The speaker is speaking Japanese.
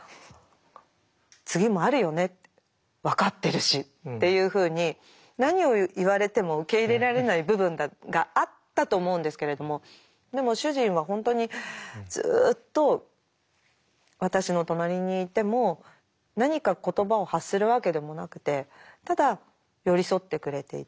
「次もあるよね」って分かってるしっていうふうに何を言われても受け入れられない部分があったと思うんですけれどもでも主人は本当にずっと私の隣にいても何か言葉を発するわけでもなくてただ寄り添ってくれていて。